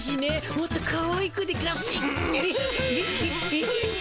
もっとかわいくでガシ。